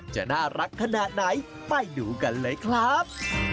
จะน่ารักขนาดไหนไปดูกันเลยครับ